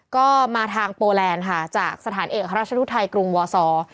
ก็มาทางโปแลนด์ค่ะจากสถานเอกราชนุทัยกรุงวอซอร์